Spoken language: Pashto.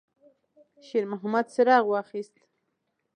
شېرمحمد څراغ واخیست.